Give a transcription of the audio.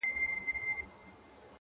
• د دې کښت حاصل قاتل زموږ د ځان دی -